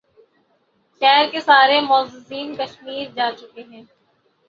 شہر کے سارے معززین کشمیر جا چکے ہیں۔